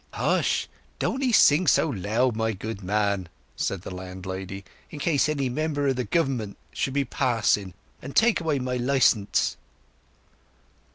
"Hush! Don't 'ee sing so loud, my good man," said the landlady; "in case any member of the Gover'ment should be passing, and take away my licends."